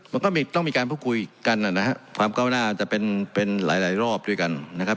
มันก็ต้องมีการพูดคุยกันนะครับความก้าวหน้าจะเป็นหลายรอบด้วยกันนะครับ